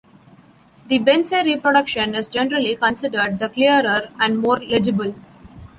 The Bensey reproduction is generally considered the clearer and more legible.